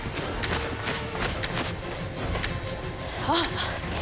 あっ。